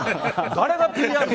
誰がＰＲを。